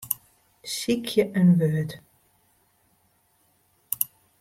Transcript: Sykje in wurd.